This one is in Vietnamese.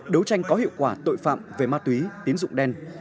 đấu tranh có hiệu quả tội phạm về ma túy tín dụng đen